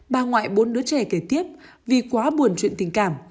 bà ngoại bốn đứa trẻ kể tiếp vì quá buồn chuyện tình cảm